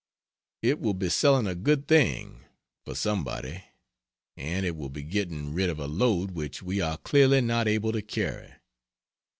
It will be selling a good thing for somebody; and it will be getting rid of a load which we are clearly not able to carry.